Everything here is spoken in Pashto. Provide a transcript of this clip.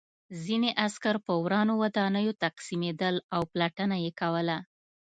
ځینې عسکر په ورانو ودانیو تقسیمېدل او پلټنه یې کوله